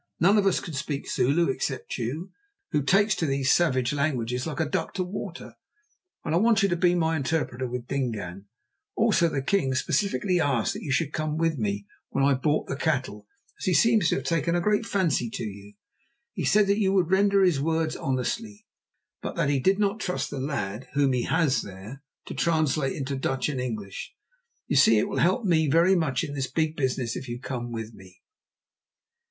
None of us can speak Zulu except you, who takes to these savage languages like a duck to water, and I want you to be my interpreter with Dingaan. Also the king specially asked that you should come with me when I brought the cattle, as he seems to have taken a great fancy to you. He said that you would render his words honestly, but that he did not trust the lad whom he has there to translate into Dutch and English. So you see it will help me very much in this big business if you come with me."